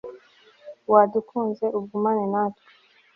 wadukunze, ugumane natwe